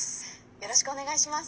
「よろしくお願いします」。